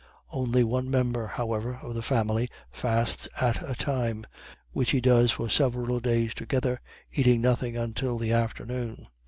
Only one member, however, of the family fasts at a time, which he does for several days together, eating nothing until the afternoon.